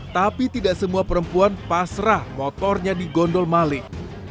tapi tidak semua perempuan pasrah motornya di gondol malik